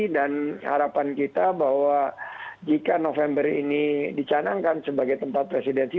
dan harapan kita bahwa jika november ini dicanangkan sebagai tempat presidensi